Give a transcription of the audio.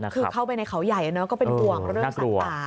คือเข้าไปในเขาใหญ่ก็เป็นห่วงเรื่องสัตว์ป่า